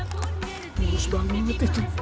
murus banget ini